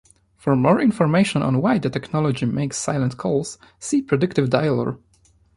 For more information on why the technology makes silent calls, see predictive dialer.